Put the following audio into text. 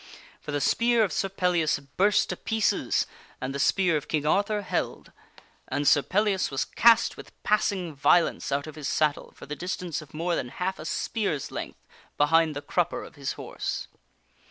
For the spear of Sir Pellias burst Kin Arthur to P^ eces an( * tne s P ear of King Arthur held ; and Sir Pellias overthrows Sir was cast with passing violence out of his saddle for the dis Peihas. tance of more than half a spear's length behind the crupper of his horse.